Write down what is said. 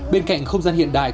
bên cạnh không gian hiện đại